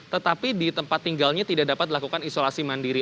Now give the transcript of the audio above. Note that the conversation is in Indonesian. tetapi di tempat tinggalnya tidak dapat dilakukan isolasi mandiri